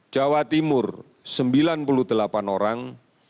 jawa timur sembilan puluh delapan orang